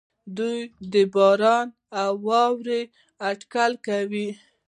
دوی د باران او واورې اټکل کوي.